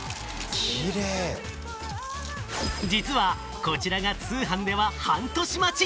実はこちらが通販では半年待ち。